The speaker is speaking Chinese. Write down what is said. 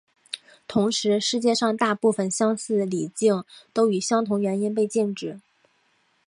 同时世界上大部份相似敬礼都以相同原因被禁止。